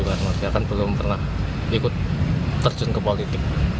karena mereka kan belum pernah ikut terjun ke politik